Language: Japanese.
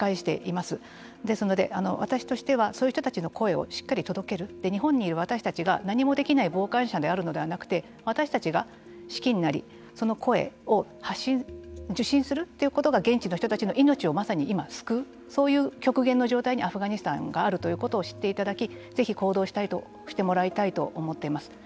ですので、私としてはそういう人たちの声をしっかり届ける日本に私たちが何もできない傍観者であるのではなくて私たちが資金なりその声を受信するということが現地の人たちの命を今まさに救うそういう局限の状態にアフガニスタンがあるということを知っていただきぜひ行動してもらいたいと思っています。